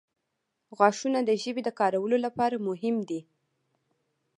• غاښونه د ژبې د کارولو لپاره مهم دي.